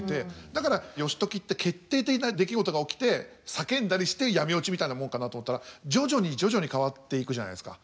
だから義時って決定的な出来事が起きて叫んだりして闇落ちみたいなもんかなと思ったら徐々に徐々に変わっていくじゃないですか。